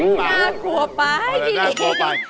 หน้ากลัวปลาชิดดิ